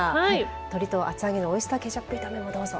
鶏と厚揚げのオイスターケチャップ炒めもどうぞ。